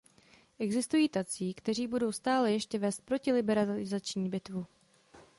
Existují tací, kteří budou stále ještě vést protiliberalizační bitvu.